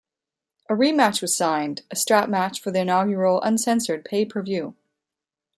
A rematch was signed, a strap match for the inaugural Uncensored pay-per-view.